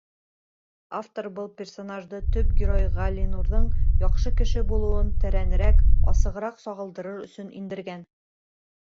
Автор был персонажды төп герой Ғәлинурҙың яҡшы кеше булыуын тәрәнерәк, асығыраҡ сағылдырыр өсөн индергән.